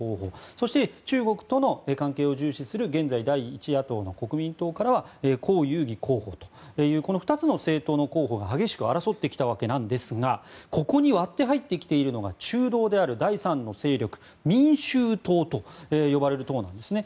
そして、中国との関係を重視する現在第１野党の国民党からはコウ・ユウギ候補という２つの政党の候補が激しく争ってきたわけですがここに割って入ってきているのが中道である第３の勢力民衆党と呼ばれる党なんですね。